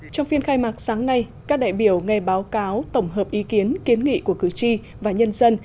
trong phiên khai mạc sáng nay các đại biểu nghe báo cáo tổng hợp ý kiến kiến nghị của cử tri và nhân dân